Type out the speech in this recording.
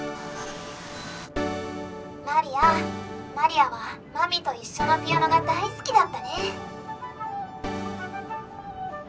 マリアマリアはまみといっしょのピアノが大すきだったね。